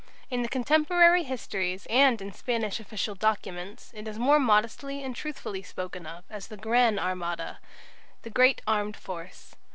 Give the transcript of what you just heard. In the contemporary histories and in Spanish official documents it is more modestly and truthfully spoken of as the "Gran Armada" "the great armed force."